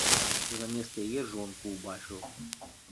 Замест яе жонку ўбачыў.